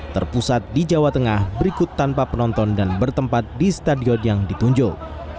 terpusat di jawa tengah berikut tanpa penonton dan bertempat di stadion yang ditunjuk